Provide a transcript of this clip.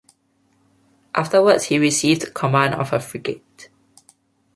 Afterwards he received command of a frigate.